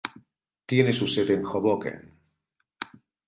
Tiene su sede en Hoboken.